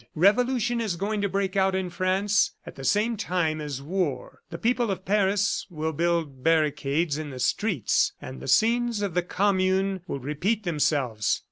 Revolution is going to break out in France at the same time as war. The people of Paris will build barricades in the streets and the scenes of the Commune will repeat themselves.